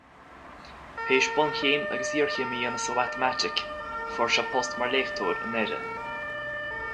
Tar éis bunchéim agus iarchéim a dhéanamh sa mhatamaitic, fuair sé post mar léachtóir i nDoire.